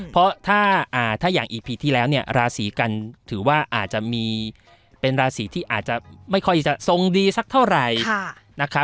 เพราะถ้าอย่างอีพีที่แล้วราศีกันถือว่าอาจจะมีเป็นราศีที่อาจจะไม่ค่อยจะทรงดีสักเท่าไหร่